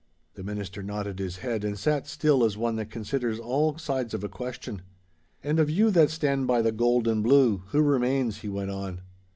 The minister nodded his head and sat still as one that considers all sides of a question. 'And of you that stand by the gold and blue—who remains?' he went on.